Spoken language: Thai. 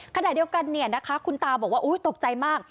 ขณะเดียวกันเนี่ยนะคะคุณตาบอกว่าตกใจมาก